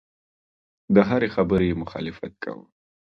د هرې خبرې یې مخالفت کاوه.